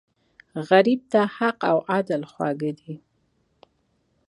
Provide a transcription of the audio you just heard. غریب ته حق او عدل خواږه دي